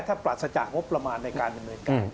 ถ้าปราศจากงบประมาณในการดำเนินการ